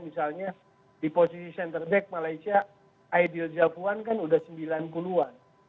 misalnya di posisi center back malaysia aidil jafwan kan sudah sembilan puluh an